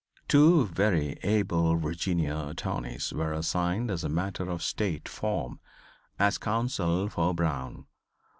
Two very able Virginia attorneys were assigned as a matter of State form as counsel for Brown.